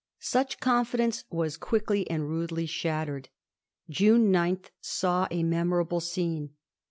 Such confidence was quickly and rudely shattered. June 9 saw a memorable scene.